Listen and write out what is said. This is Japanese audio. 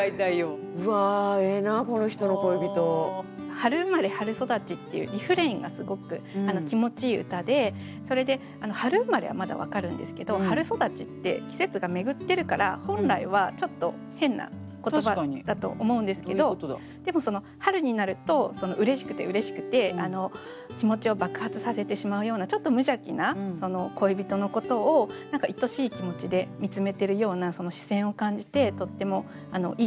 「春生まれ春育ち」っていうリフレインがすごく気持ちいい歌でそれで「春生まれ」はまだ分かるんですけど「春育ち」って季節が巡ってるから本来はちょっと変な言葉だと思うんですけどでもその春になるとうれしくてうれしくて気持ちを爆発させてしまうようなちょっと無邪気な恋人のことをいとしい気持ちで見つめてるような視線を感じてとってもいい歌。